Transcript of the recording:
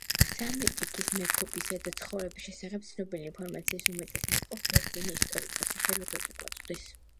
ფსამეტიქის მეფობისა და ცხოვრების შესახებ ცნობილი ინფორმაციის უმეტეს ნაწილს ბერძენი ისტორიკოსი ჰეროდოტე გვაწვდის.